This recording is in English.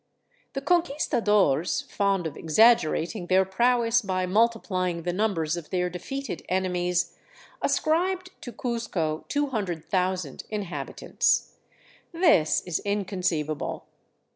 The Conquistadores, fond of exaggerating their prowess by mul tiplying the numbers of their defeated enemies, ascribed to Cuzco 200,000 inhabitants. This is inconceivable.